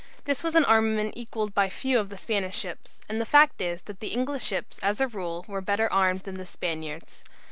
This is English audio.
This was an armament equalled by few of the Spanish ships, and the fact is that the English ships as a rule were better armed than the Spaniards.